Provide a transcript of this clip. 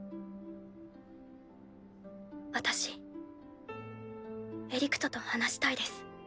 私エリクトと話したいです。